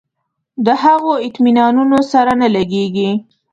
د هغو اطمینانونو سره نه لګېږي.